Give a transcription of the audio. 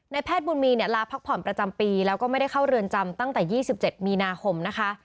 นายแพทย์บุญมีลาพักผ่อนประจำปีแล้วก็ไม่ได้เข้ารือนจำตั้งแต่๒๗นคน